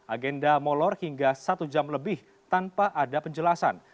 agenda molor hingga satu jam lebih tanpa ada penjelasan